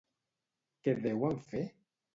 Què deuen fer?